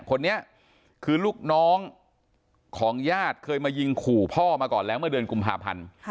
คนนี้คือลูกน้องของญาติเคยมายิงขู่พ่อมาก่อนแล้วเมื่อเดือนกุมภาพันธ์